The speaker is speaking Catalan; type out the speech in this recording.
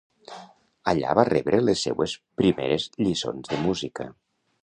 Allà va rebre les seues primeres lliçons de música.